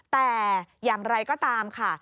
แต่อย่างไรก็ตามค่ะ